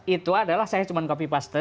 itu adalah saya cuma copy paste